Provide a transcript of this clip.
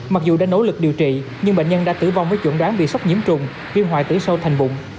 mặc dù đã nỗ lực điều trị nhưng bệnh nhân đã tử vong với chuẩn đoán bị sốc nhiễm trùng viêm hoại tử sau thành bụng